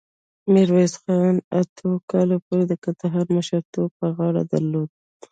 میرویس خان اتو کالو پورې د کندهار مشرتوب په غاړه درلود.